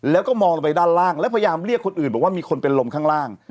แล้วก็มองลงไปด้านล่างแล้วพยายามเรียกคนอื่นบอกว่ามีคนเป็นลมข้างล่าง